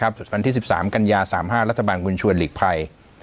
วันที่๑๓กันยา๓๕รัฐบาลคุณชวนหลีกภัย